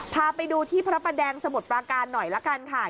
พาไปดูที่พระประแดงสมุทรปราการหน่อยละกันค่ะ